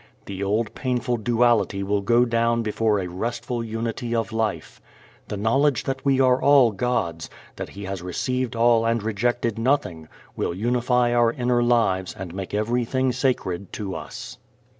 The old painful duality will go down before a restful unity of life. The knowledge that we are all God's, that He has received all and rejected nothing, will unify our inner lives and make everything sacred to us.